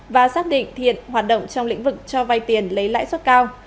và xác định thiện hoạt động trong lĩnh vực cho vay tiền lấy lãi suất cao